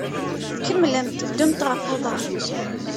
Kemmlemt ddumt ɣef uḍaṛ.